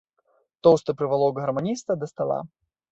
Тоўсты прывалок гарманіста да стала.